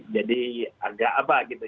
jadi agak apa gitu